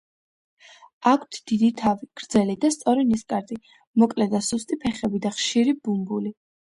აქვთ დიდი თავი, გრძელი და სწორი ნისკარტი, მოკლე და სუსტი ფეხები და ხშირი ბუმბული.